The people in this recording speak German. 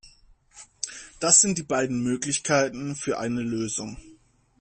Das sind die beiden Möglichkeiten für eine Lösung.